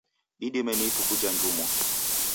Idime ni ituku jha njumwa.